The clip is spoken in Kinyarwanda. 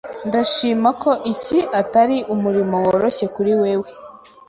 Ndashima ko iki atari umurimo woroshye kuri wewe.